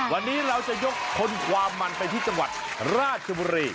วันนี้เราจะยกคนความมันไปที่จังหวัดราชบุรี